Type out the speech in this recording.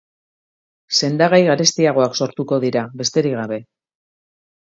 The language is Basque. Sendagai garestiagoak sortuko dira, besterik gabe.